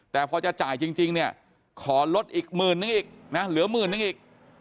แต่พอจะจ่ายจริงเนี่ยขอลดอีกหมื่นนึงอีกนะเหลือหมื่นนึงอีก